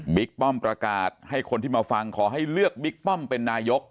ป้อมประกาศให้คนที่มาฟังขอให้เลือกบิ๊กป้อมเป็นนายก